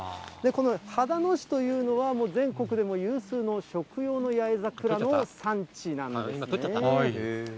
この秦野市というのは、全国でも有数の食用の八重桜の産地なんですね。